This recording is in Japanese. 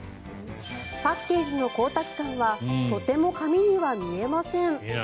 パッケージの光沢感はとても紙には見えません。